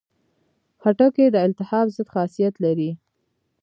خټکی د التهاب ضد خاصیت لري.